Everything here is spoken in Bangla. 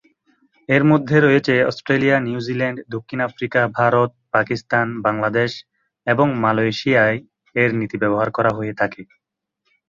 এর মধ্যে রয়েছে অস্ট্রেলিয়া, নিউজিল্যান্ড, দক্ষিণ আফ্রিকা, ভারত, পাকিস্তান, বাংলাদেশ এবং মালয়েশিয়ায় এর নীতি ব্যবহার করা হয়ে থাকে।